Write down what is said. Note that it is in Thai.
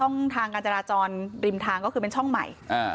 ทางการจราจรริมทางก็คือเป็นช่องใหม่